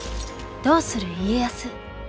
「どうする家康」。